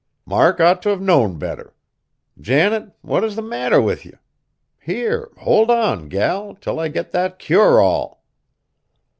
Mark ought t' have knowed better. Janet, what is the matter with ye? Here hold on, gal, till I get that Cure All!"